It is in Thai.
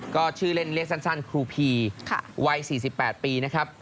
ก็ชื่อเล่นเรียกสั้นครูพีวัย๔๘ปีนะครับ